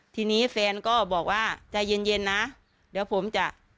ทีนี้แฟนก็บอกว่าใจเย็นเย็นนะเดี๋ยวผมจะ